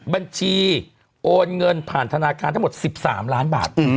บัญชีโอนเงินผ่านธนาคารทั้งหมด๑๓ล้านบาท